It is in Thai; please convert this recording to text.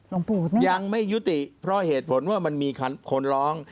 ยังไม่ยุติเพราะเหตุผลว่ามันมีคนร้อง